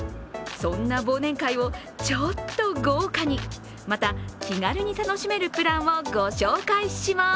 そんな忘年会をちょっと豪華に、また、気軽に楽しめるプランをご紹介します。